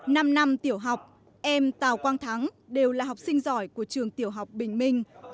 năm năm tiểu học em tào quang thắng đều là học sinh giỏi của trường tiểu học bình minh